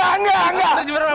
enggak enggak enggak